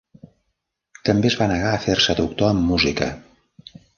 També es va negar a fer-se doctor en música.